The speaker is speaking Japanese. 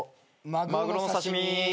マグロの刺し身。